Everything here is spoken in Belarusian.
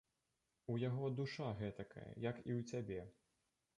У яго душа гэтакая, як і ў цябе!